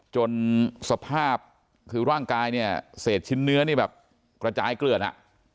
สภาพคือร่างกายเนี่ยเศษชิ้นเนื้อนี่แบบกระจายเกลือดอ่ะ